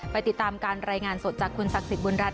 ติดตามการรายงานสดจากคุณศักดิ์สิทธิบุญรัฐ